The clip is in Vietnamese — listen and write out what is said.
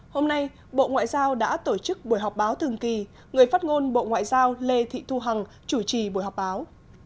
hôm nay bộ ngoại giao đã tổ chức buổi họp báo thường kỳ người phát ngôn bộ ngoại giao lê thị thu hằng chủ trì buổi họp báo